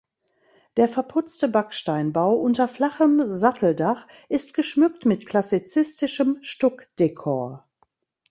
Der verputzte Backsteinbau unter flachem Satteldach ist geschmückt mit klassizistischem Stuckdekor.